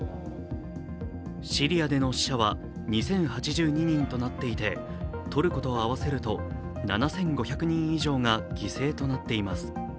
シリアでの死者は２０８２人となっていてトルコと合わせると７５００人以上が犠牲となっています。